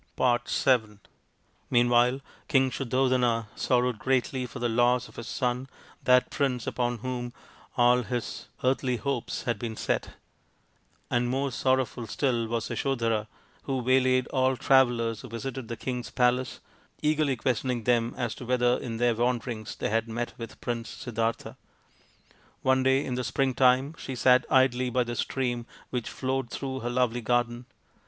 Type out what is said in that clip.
VII Meanwhile King Suddhodana sorrowed greatly for the loss of his son, that prince upon whom all his THE INDIAN STORY BOOK earthly hopes had been set ; and more sorrowful still " r as Yasodhara, who waylaid all travellers who visited 'the king's palace, eagerly questioning them as to 'whether in their wanderings they had met with Prince Siddartha. One day in the spring time she sat idly by the stream which flowed through her lovely garden.